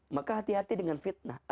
maka hati hati dengan fitnah